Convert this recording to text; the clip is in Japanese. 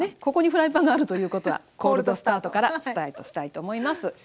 ここにフライパンがあるということはコールドスタートからスタートしたいと思います。